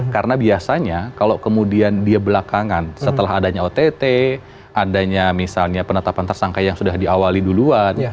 karena biasanya kalau kemudian dia belakangan setelah adanya ott adanya misalnya penetapan tersangka yang sudah diawali duluan